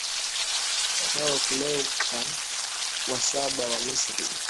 Farao Cleopatra wa saba wa Misri